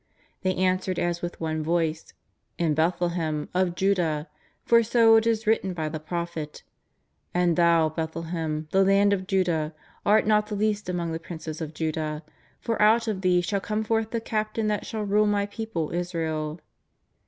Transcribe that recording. They answered as with one voice :'^ In Bethlehem of Juda, for so it is writ ten by the prophet : And thou, Bethlehem, the land of Juda, art not the least among the princes of Juda, for out of thee shall come forth the captain that shall rule My people Israel."